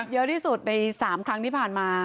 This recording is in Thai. เยอะที่สุดใน๓ครั้งที่ผ่านมา